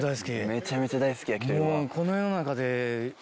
めちゃめちゃ大好き焼き鳥は。